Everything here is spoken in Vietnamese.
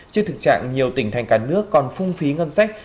trước thực trạng nhiều tỉnh thành cả nước còn phung phí ngân sách